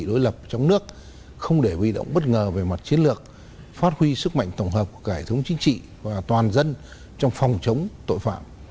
chỉ đối lập trong nước không để vi động bất ngờ về mặt chiến lược phát huy sức mạnh tổng hợp của cả hệ thống chính trị và toàn dân trong phòng chống tội phạm